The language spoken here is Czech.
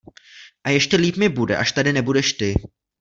A ještě líp mi bude, až tady nebudeš ty.